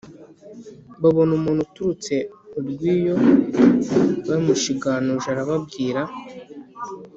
Babona umuntu uturutse urw'iyo Bamushiganuje arababwira,